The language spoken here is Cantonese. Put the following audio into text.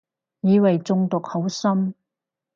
以為中毒好深